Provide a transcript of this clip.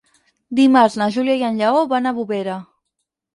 Dimarts na Júlia i en Lleó van a Bovera.